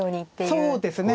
そうですね。